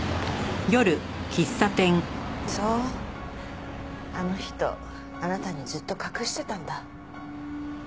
そうあの人あなたにずっと隠してたんだ。